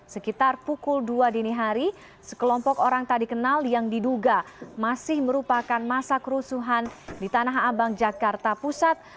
sekitar pukul dua dini hari sekelompok orang tadi kenal yang diduga masih merupakan masa kerusuhan di tanah abang jakarta pusat